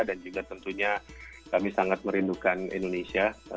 dan juga tentunya kami sangat merindukan indonesia